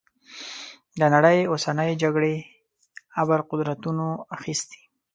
د نړۍ اوسنۍ جګړې ابرقدرتونو اخیستي.